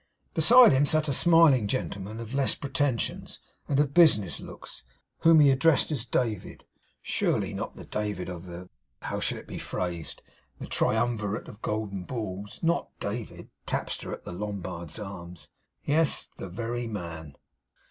Beside him sat a smiling gentleman, of less pretensions and of business looks, whom he addressed as David. Surely not the David of the how shall it be phrased? the triumvirate of golden balls? Not David, tapster at the Lombards' Arms? Yes. The very man.